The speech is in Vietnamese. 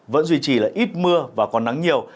vẫn duy trì là ít mưa và còn nắng nhiều